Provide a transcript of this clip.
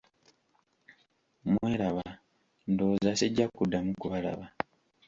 Mweraba, ndowooza sijja kuddamu kubalaba!